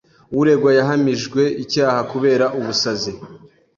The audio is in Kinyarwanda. Uregwa yahamijwe icyaha kubera ubusazi.